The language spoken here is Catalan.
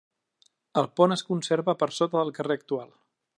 El pont es conserva per sota del carrer actual.